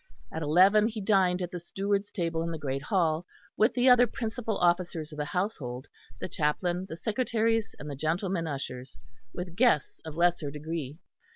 At eleven he dined at the Steward's table in the great hall, with the other principal officers of the household, the chaplain, the secretaries, and the gentlemen ushers, with guests of lesser degree.